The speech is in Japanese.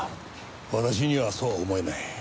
私にはそうは思えない。